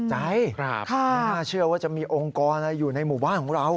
ใช่น่าจะแน่น่าเชื่อว่าจะมีองค์กรอยู่ในหมู่บ้านของเรา